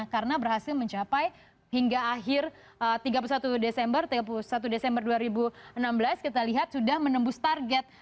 karena berhasil mencapai hingga akhir tiga puluh satu desember dua ribu enam belas kita lihat sudah menembus target